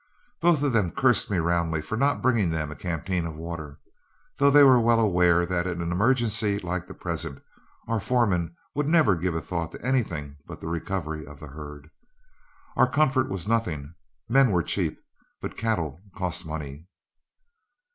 Both of them cursed me roundly for not bringing them a canteen of water, though they were well aware that in an emergency like the present, our foreman would never give a thought to anything but the recovery of the herd. Our comfort was nothing; men were cheap, but cattle cost money.